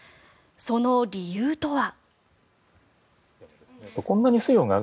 その理由とは。